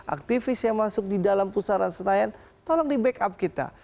aktivis yang masuk di dalam pusaran senayan tolong di backup kita